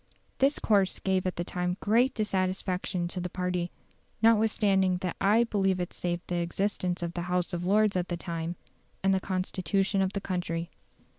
This course gave at the time great dissatisfaction to the party; notwithstanding that I believe it saved the existence of the House of Lords at the time, and the Constitution of the country.